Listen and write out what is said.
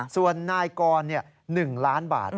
ส่วนนายกร๑ล้านบาท